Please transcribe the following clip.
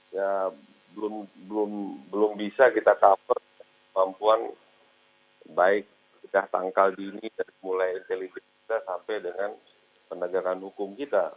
karena belum bisa kita cover kemampuan baik jika tangkal dini dari mulai inteligensi kita sampai dengan penegaraan